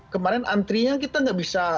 kemarin antrinya kita nggak bisa